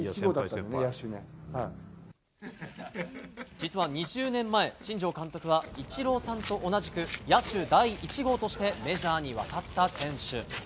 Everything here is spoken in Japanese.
実は２０年前、新庄監督はイチローさんと同じく野手第１号としてメジャーに渡った選手。